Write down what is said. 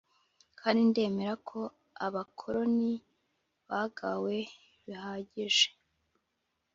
kandi ndemera ko Abakoloni bagawe bihagije